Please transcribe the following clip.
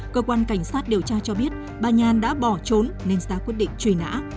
cơ quan cảnh sát điều tra cho biết bà nhàn đã bỏ trốn nên xá quyết định trùy nã